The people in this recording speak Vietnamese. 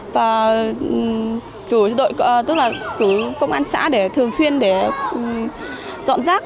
và cử đội tức là cử công an xã để thường xuyên để dọn rác